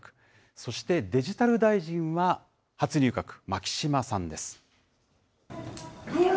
そしてデジタル大臣は、初入閣、牧島さんです。